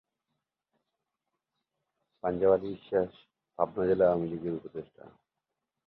পাঞ্জাব আলী বিশ্বাস পাবনা জেলা আওয়ামী লীগের উপদেষ্টা।